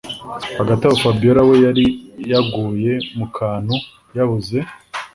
hagati aho fabiora we yari yaguye mukantu yabuze